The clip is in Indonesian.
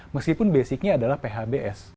meskipun basicnya adalah phbs